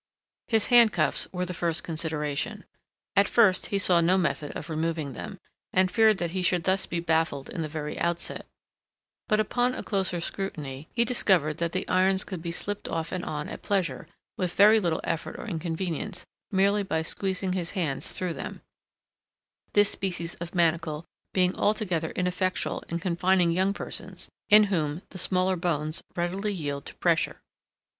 His handcuffs were the first consideration. At first he saw no method of removing them, and feared that he should thus be baffled in the very outset; but upon a closer scrutiny he discovered that the irons could be slipped off and on at pleasure, with very little effort or inconvenience, merely by squeezing his hands through them,—this species of manacle being altogether ineffectual in confining young persons, in whom the smaller bones readily yield to pressure.